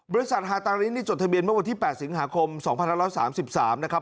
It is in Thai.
ฮาตารินนี่จดทะเบียนเมื่อวันที่๘สิงหาคม๒๑๓๓นะครับ